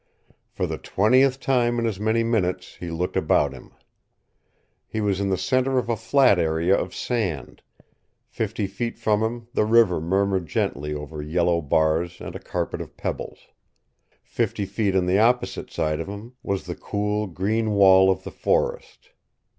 For the twentieth time in as many minutes he looked about him. He was in the center of a flat area of sand. Fifty feet from him the river murmured gently over yellow bars and a carpet of pebbles. Fifty feet on the opposite side of him was the cool, green wall of the forest.